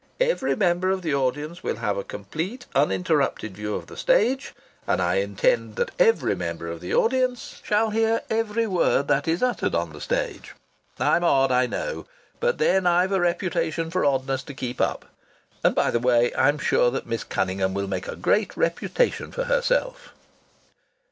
Every member of the audience will have a complete uninterrupted view of the stage, and I intend that every member of the audience shall hear every word that is uttered on the stage. I'm odd, I know. But then I've a reputation for oddness to keep up. And by the way, I'm sure that Miss Cunningham will make a great reputation for herself."